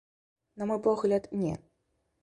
На мой погляд, не.